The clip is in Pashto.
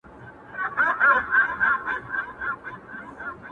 o ما خو دا ټوله شپه.